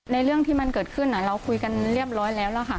เรื่องที่มันเกิดขึ้นเราคุยกันเรียบร้อยแล้วแล้วค่ะ